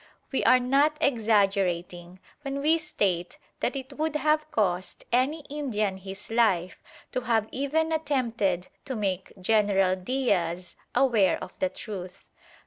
We are not exaggerating when we state that it would have cost any Indian his life to have even attempted to make General Diaz aware of the truth.